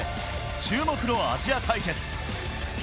注目のアジア対決。